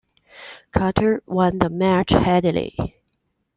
Carter won the match handily.